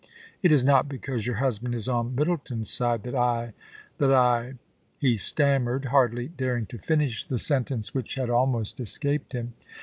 It is not because your husband is on Middleton's side that 1 — that I * he stammered, hardly daring to finish the sentence which had almost escaped him.